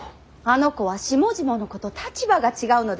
あの子は下々の子と立場が違うのですよ。